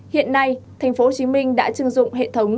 hiện nay tp hcm đã chứng dụng hệ thống